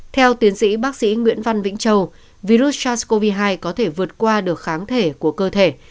theo tiến sĩ bác sĩ nguyễn văn vĩnh châu virus sars cov hai có thể vượt qua được kháng thể của cơ thể